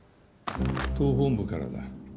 党本部からだ。